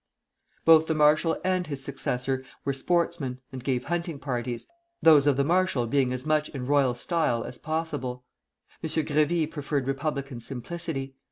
Both the marshal and his successor were sportsmen and gave hunting parties, those of the marshal being as much in royal style as possible. M. Grévy preferred republican simplicity.